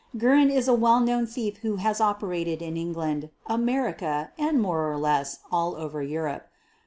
Guerin is a well known thief who has operated in England, America and more or less all over Europe.